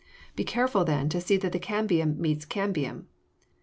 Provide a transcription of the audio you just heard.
Be careful, then, to see that cambium meets cambium.